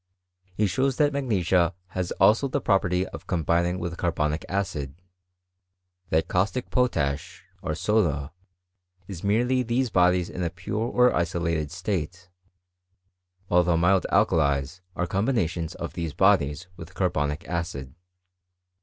He shows that magnesia has also the property of combining with carbonic acid ; that caustic potash, or soda, is merely these bodies in a pure or isolated state ; while the mild alkalies are combinations of these bodies with carbonic acid.